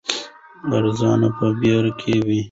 ارزو په بیړه کې وه.